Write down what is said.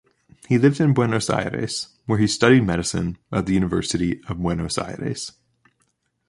He lived in Buenos Aires, where he studied medicine at the University of Buenos Aires.